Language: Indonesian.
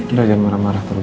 enggak jangan marah marah terus